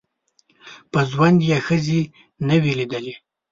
په ژوند یې ښځي نه وې لیدلي